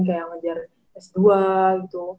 kayak ngejar s dua gitu